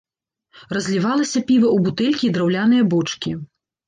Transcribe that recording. Разлівалася піва ў бутэлькі і драўляныя бочкі.